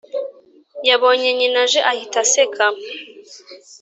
yabonye nyina aje ahita aseka